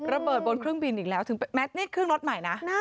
ระเบิดบนเครื่องบินอีกแล้วถึงแม้นี่เครื่องรถใหม่นะ